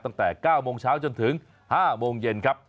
ตั้งแต่๙โมงเช้าจนถึง๕โมงเย็นครับ